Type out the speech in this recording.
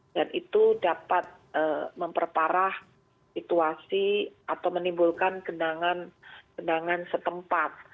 dan itu dapat memperparah situasi atau menimbulkan kendangan setempat